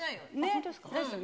本当ですか？